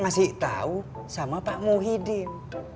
kalau selfie ngasih tahu sama pak muhyiddin